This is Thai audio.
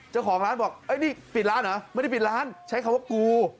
เจ้าของร้านบอกนี่ปิดร้านเหรอไม่ได้ปิดร้านใช้คำว่ากู